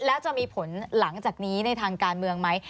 แล้วจะมีผลหลังจากนี้ในทางการเมืองไหม